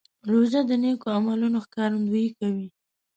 روژه د نیکو عملونو ښکارندویي کوي.